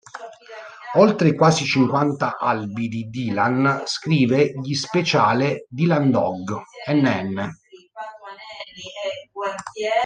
Oltre i quasi cinquanta albi di Dylan, scrive gli "Speciale Dylan Dog" nn.